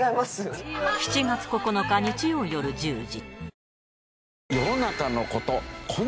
７月９日日曜よる１０時